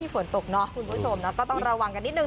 ฝนตกเนอะคุณผู้ชมนะก็ต้องระวังกันนิดนึ